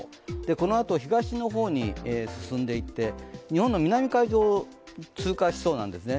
このあと東の方に進んでいって日本の南海上を通過しそうなんですね。